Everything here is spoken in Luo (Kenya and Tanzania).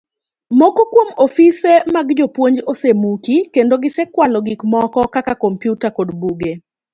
Moko kuom ofise mag jopuonj osemuki, kendo gisekwalo gik moko kaka kompyuta kod buge